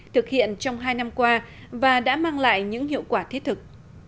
thực hiện trong hai năm qua và đã mang lại những hiệu quả thiết thực